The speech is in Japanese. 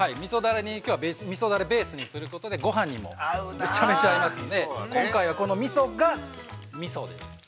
みそダレベースにすることでごはんにもめちゃめちゃ合いますので今回は、このみそがミソです。